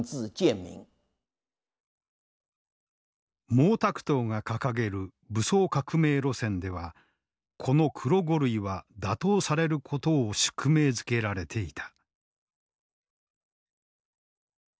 毛沢東が掲げる武装革命路線ではこの黒五類は打倒されることを宿命づけられていた。